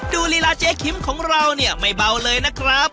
ดูลีลาเจ้าอารมณ์ของเราไม่เบาเลยนะครับ